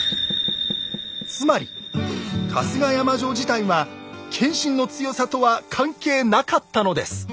つまり春日山城自体は謙信の強さとは関係なかったのです。